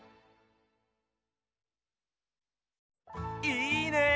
いいね！